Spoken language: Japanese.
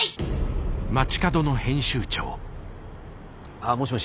ああもしもし。